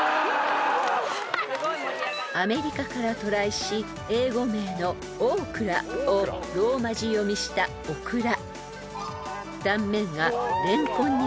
［アメリカから渡来し英語名の「ｏｋｒａ」をローマ字読みしたオクラ］